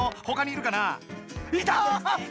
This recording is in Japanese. ほかにいるかなあ？